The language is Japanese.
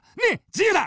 自由だ！